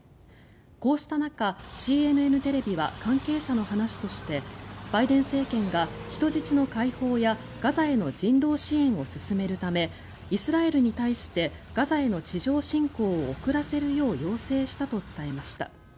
こうした中、ＣＮＮテレビは関係者の話としてバイデン政権が人質の解放やガザへの人道支援を進めるためイスラエルに対してガザへの地上侵攻を遅らせるよう要請したと伝えました。